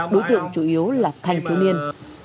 đối tượng chủ yếu là thanh thiếu niên